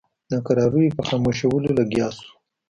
ناکراریو په خاموشولو لګیا شو.